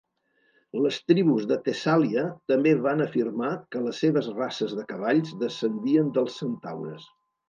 Les tribus de Tessàlia també van afirmar que les seves races de cavalls descendien dels centaures.